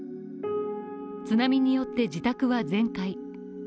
津波によって自宅は全壊。